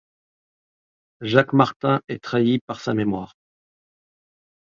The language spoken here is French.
Jacques Martin est trahi par sa mémoire.